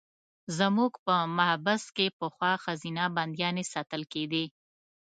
زموږ په محبس کې پخوا ښځینه بندیانې ساتل کېدې.